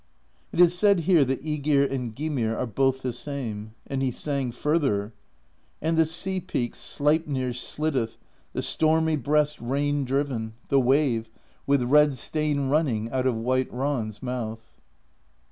It is said here that ^gir and Gymir are both the same. And he sang further: And the Sea Peak's Sleipnir slitteth The stormy breast rain driven. THE POESY OF SKALDS 139 The wave, with red stain running Out of white Ran's mouth.